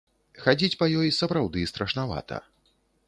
Хадзіць па ёй сапраўды страшнавата.